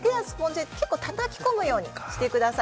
叩き込むようにしてください。